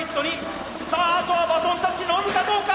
さああとはバトンタッチ乗るかどうか！